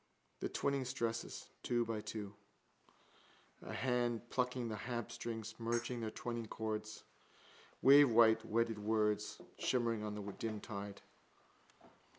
The twining stresses, two by two. A hand plucking the harpstrings, merging their twining chords. Wavewhite wedded words shimmering on the dim tide.